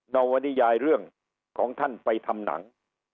นวนิยายเรื่องของท่านไปทำหนัง